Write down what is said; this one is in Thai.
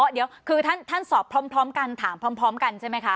เดี๋ยวคือท่านสอบพร้อมกันถามพร้อมกันใช่ไหมคะ